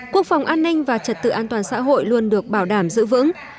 quốc phòng an ninh và trật tự an toàn xã hội luôn được bảo đảm giữ vững